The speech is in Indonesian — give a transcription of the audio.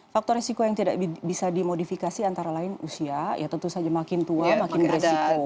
faktor resiko yang tidak bisa dimodifikasi antara lain usia ya tentu saja makin tua makin beresiko